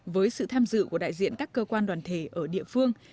với sự tham dự của đại diện các cơ quan đoàn thể ở địa phương